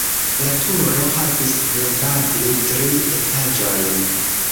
La turo havis probable tri etaĝojn.